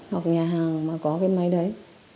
hoặc nhà hàng mà có cái máy đấy